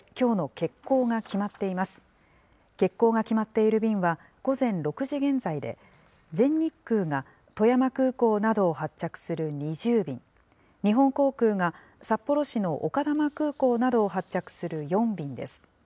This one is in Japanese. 欠航が決まっている便は、午前６時現在で、全日空が富山空港などを発着する２０便、日本航空が札幌市の丘珠空港などを発着する４便です。